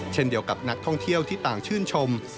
เช่นเดียวกับนักท่องเที่ยวที่ต่างชื่นชม